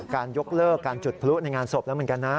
ยกเลิกการจุดพลุในงานศพแล้วเหมือนกันนะ